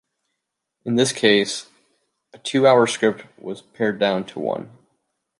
In this case, a two-hour script was pared down to one.